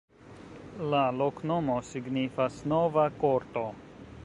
La loknomo signifas: nova-korto.